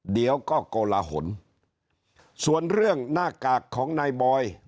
เดี๋ยวก็โกลหนส่วนเรื่องหน้ากากของนายบอย